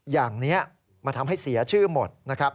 อย่างนี้มันทำให้เสียชื่อหมดนะครับ